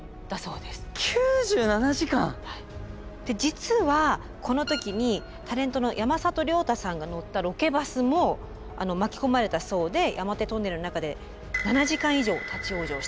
実はこの時にタレントの山里亮太さんが乗ったロケバスも巻き込まれたそうで山手トンネルの中で７時間以上立往生したと。